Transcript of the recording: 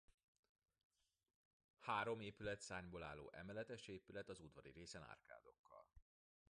Három épületszárnyból álló emeletes épület az udvari részen árkádokkal.